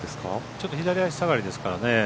ちょっと左足下がりですからね。